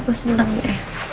aku seneng ya